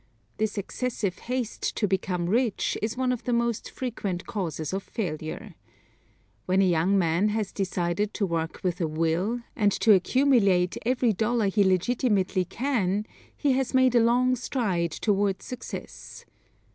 This excessive haste to become rich is one of the most frequent causes of failure. When a young man has decided to work with a will, and to accumulate every dollar he legitimately can he has made a long stride toward success.